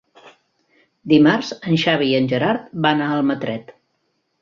Dimarts en Xavi i en Gerard van a Almatret.